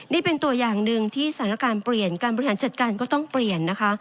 นี่เป็นตัวอย่างหนึ่งที่สถานการณ์เปลี่ยนการบริหารจัดการก็ต้องเปลี่ยนนะคะ